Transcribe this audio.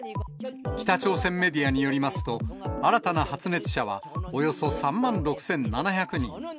北朝鮮メディアによりますと、新たな発熱者はおよそ３万６７００人。